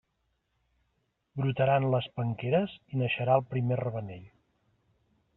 Brotaran les penqueres i naixerà el primer ravenell.